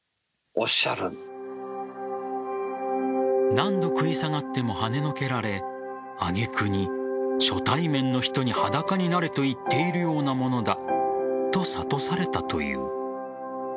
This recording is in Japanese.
何度食い下がってもはねのけられ挙げ句に初対面の人に裸になれと言っているようなものだと諭されたという。